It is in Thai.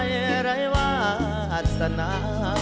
หัวใจอะไรว่าอัศนา